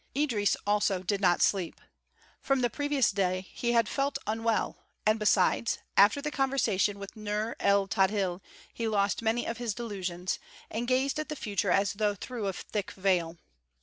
Idris also did not sleep. From the previous day he had felt unwell and, besides, after the conversation with Nur el Tadhil he lost many of his delusions, and gazed at the future as though through a thick veil.